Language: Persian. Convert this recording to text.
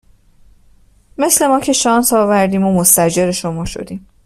مثل ما که شانس آوردیم و مستأجر شما شدیم